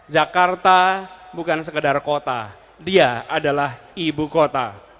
jakarta bukan sekedar kota dia adalah ibu kota